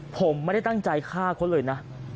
ผมไม่ได้ตั้งใจฆ่าเขาเลยนะ